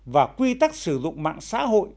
và quy tắc sử dụng mạng xã hội